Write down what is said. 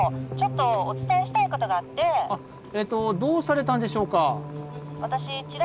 あっえっとどうされたんでしょうか？